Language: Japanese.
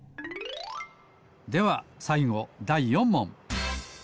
ではさいごだい４もん！